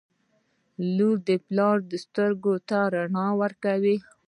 • لور د پلار سترګو ته رڼا ورکوي.